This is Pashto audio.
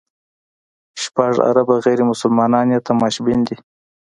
شپږ اربه غیر مسلمان یې تماشبین دي.